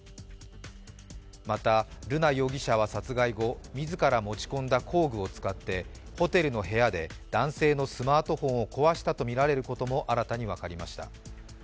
また瑠奈容疑者は殺害後、自ら持ち込んだ工具を使ってホテルの部屋で男性のスマートフォンを壊したとみられることも新たに分かりました。